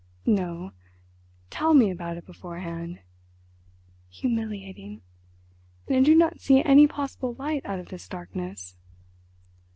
"No... 'tell me about it beforehand.' Humiliating! And I do not see any possible light out of this darkness."